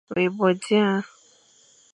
Wé bo dia,